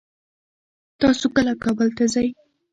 تاسو کله کابل ته ځئ؟